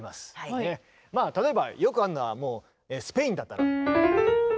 例えばよくあるのはもうスペインだったら。